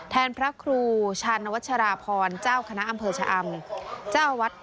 แทนพระครูชานวัดชราพรเจ้าคณะอำเภอชะอำ